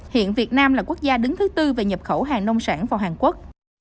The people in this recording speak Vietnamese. hiện việt nam là quốc gia đứng thứ tư về nhập khẩu hàng nông sản vào hàn quốc